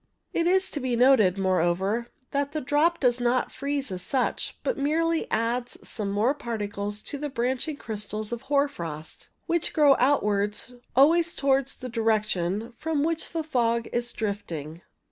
It is to be noted, moreover, that the drop does not freeze as such, but merely adds some more particles to the branching crystals of hoar frost, which grow outwards always towards the direction from which the fog is drifting.